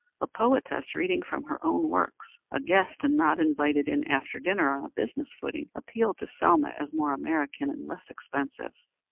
A poetess reading from her own works, a guest and not invited in after dinner on a business footing, appealed to Selma as more American, and less expensive.